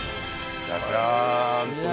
じゃじゃーん！